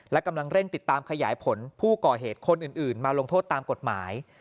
และกำลังเร่งติดตามขยายผลผู้ก่อเหตุคนอื่นมาลงโทษตามกฎหมาย